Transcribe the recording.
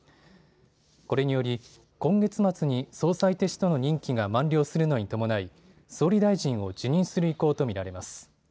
これにより今月末に総裁としての任期が満了するのに伴い総理大臣を辞任する意向と見られます。